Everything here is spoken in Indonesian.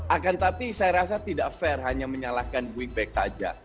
akan tetapi saya rasa tidak fair hanya menyalahkan wingback saja